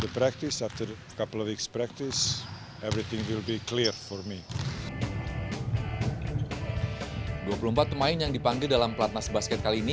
dua puluh empat pemain yang dipanggil dalam pelatnas basket kali ini